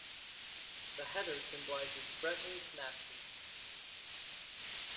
The heather symbolizes Breton tenacity.